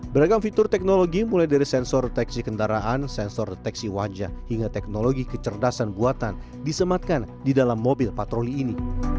beragam fitur teknologi mulai dari sensor deteksi kendaraan sensor deteksi wajah hingga teknologi kecerdasan buatan disematkan di dalam mobil patroli ini